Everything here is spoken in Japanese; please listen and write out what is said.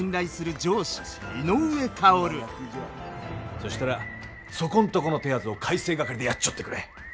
そしたらそこんとこの手はずを改正掛でやっちょってくれ。